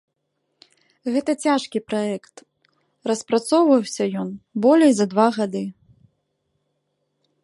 Гэта цяжкі праект, распрацоўваўся ён болей за два гады.